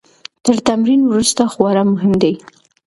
تر تمرین وروسته خواړه مهم دي.